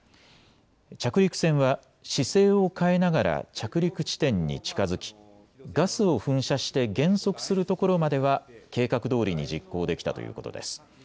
着陸船は姿勢を変えながら着陸地点に近づきガスを噴射して減速するところまでは計画どおりに実行できたということです。